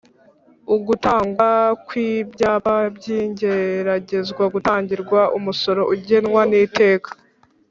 Ugutangwa kw’ibyapa by’igeragezwa gutangirwa umusoro ugenwa n’iteka